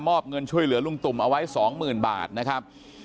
มอบเงินช่วยเหลือลุงตุ่มเอาไว้สองหมื่นบาทนะครับ